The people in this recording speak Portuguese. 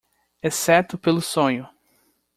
exceto pelo sonho.